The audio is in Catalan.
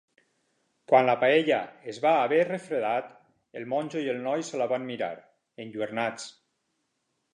Quan la paella es va haver refredat, el monjo i el noi se la van mirar, enlluernats.